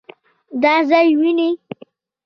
دا ځای وينې؟